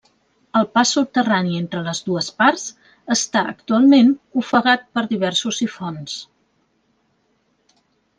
El pas subterrani entre les dues parts està actualment ofegat per diversos sifons.